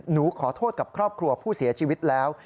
หนูขอโทษกับครอบครัวผู้เสียชีวิตแล้ว